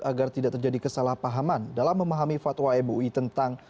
agar tidak terjadi kesalahpahaman dalam memahami fatwa mui tentang